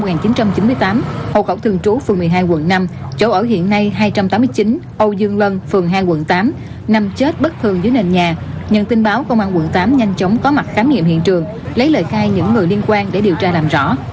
trước đó vào khoảng hai mươi một h hai mươi phút ngày một mươi một tháng chín năm một nghìn chín trăm chín mươi tám hồ khẩu thường trú phường một mươi hai quận năm chỗ ở hiện nay hai trăm tám mươi chín âu dương lân phường hai quận tám nằm chết bất thường dưới nền nhà nhận tin báo công an quận tám nhanh chóng có mặt khám nghiệm hiện trường lấy lời khai những người liên quan để điều tra làm rõ